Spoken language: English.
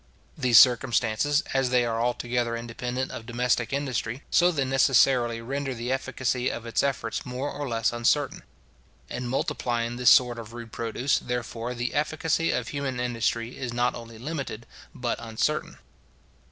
These circumstances, as they are altogether independent of domestic industry, so they necessarily render the efficacy of its efforts more or less uncertain. In multiplying this sort of rude produce, therefore, the efficacy of human industry is not only limited, but uncertain.